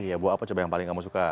iya buah apa coba yang paling kamu suka